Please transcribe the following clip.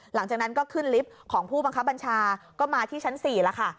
หลังจากนั้นก็ขึ้นลิฟต์ของผู้บังคับบัญชาก็มาที่ชั้น๔แล้วค่ะ